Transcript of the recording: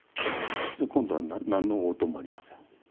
今度は何の応答もありません。